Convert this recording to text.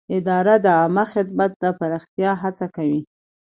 اداره د عامه خدمت د پراختیا هڅه کوي.